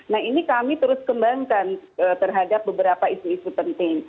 nah ini kami terus kembangkan terhadap beberapa isu isu penting